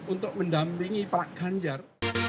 untuk mendampingi pak ganjar